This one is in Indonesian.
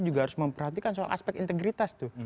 juga harus memperhatikan soal aspek integritas tuh